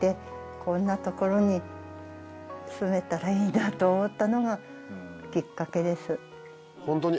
こんな所に住めたらいいなと思ったのがきっかけです。